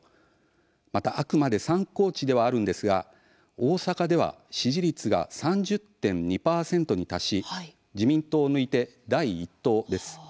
また、あくまで参考値ではありますが大阪は支持率が３０．２％に達し自民党を抜いて第１党です。